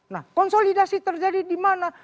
nah konsolidasi terjadi di mana